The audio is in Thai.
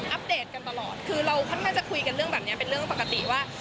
เดตกันตลอดคือเราค่อนข้างจะคุยกันเรื่องแบบนี้เป็นเรื่องปกติว่า